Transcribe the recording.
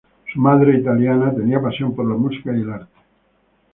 Su madre, italiana, tenía pasión por la música y el arte.